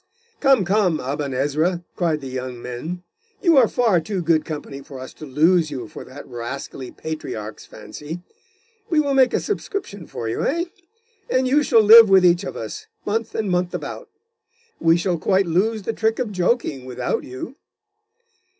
'Come, come, Aben Ezra,' cried the young men; 'you are far too good company for us to lose you for that rascally patriarch's fancy. We will make a subscription for you, eh? And you shall live with each of us, month and month about. We shall quite lose the trick of joking without you.